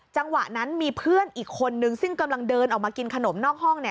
จังหวะนั้นมีเพื่อนอีกคนนึงซึ่งกำลังเดินออกมากินขนมนอกห้อง